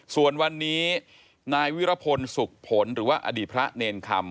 ส่วนวันนี้นายวิรพลสุขผลหรือว่าอดีตพระเนรคำ